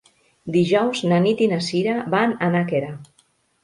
Dijous na Nit i na Sira van a Nàquera.